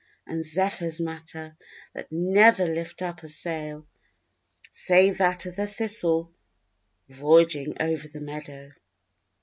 And zephyrs matter, that never lift up a sail, Save that of the thistle voyaging over the meadow.